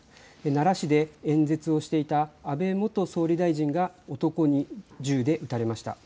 奈良市で演説をしていた安倍元総理大臣が男に銃で撃たれました。